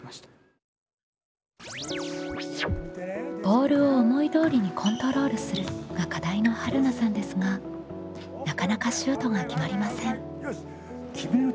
「ボールを思い通りにコントロールする」が課題のはるなさんですがなかなかシュートが決まりません。